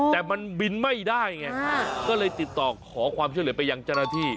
แต่มันบินไม่ได้ไงก็เลยติดต่อขอความช่วยเหลือไปยังเจ้าหน้าที่